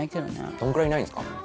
どんぐらいいないんすか？